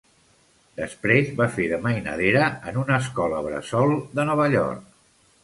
Després va fer de mainadera en una escola bressol de Nova York.